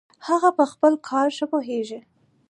هغه په خپل کار ښه پوهیږي